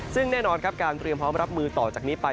ซึ่งแน่นอนครับการเตรียมพร้อมรับมือต่อจากนี้ไป